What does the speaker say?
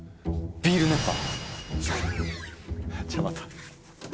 ビール熱波？